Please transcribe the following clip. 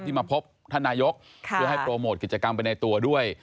มาพบท่านนายกเพื่อให้โปรโมทกิจกรรมไปในตัวด้วย